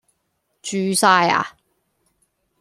住晒呀